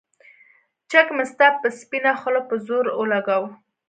چک مې ستا پۀ سپينه خله پۀ زور اولګوو